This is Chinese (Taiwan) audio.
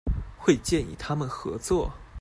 會建議他們合作